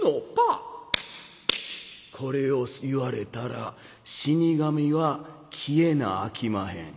「これを言われたら死神は消えなあきまへん。